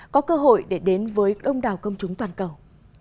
có cơ hội để đến với đông đảo công chúng toàn cầu